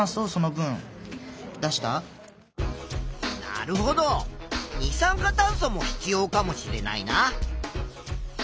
なるほど二酸化炭素も必要かもしれないな。